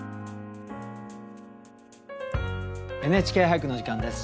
「ＮＨＫ俳句」のお時間です。